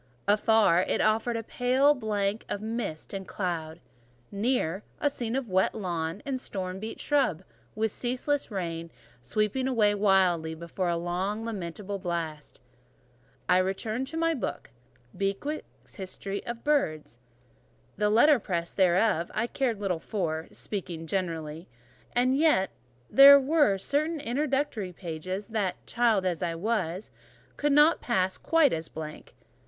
Afar, it offered a pale blank of mist and cloud; near a scene of wet lawn and storm beat shrub, with ceaseless rain sweeping away wildly before a long and lamentable blast. I returned to my book—Bewick's History of British Birds: the letterpress thereof I cared little for, generally speaking; and yet there were certain introductory pages that, child as I was, I could not pass quite as a blank.